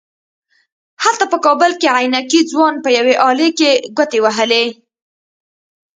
هلته په کابل کې عينکي ځوان په يوې آلې کې ګوتې وهلې.